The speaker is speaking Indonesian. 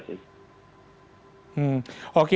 hoki ini kan pernah berbicara